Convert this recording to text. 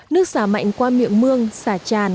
nước xả mạnh qua miệng mương xả tràn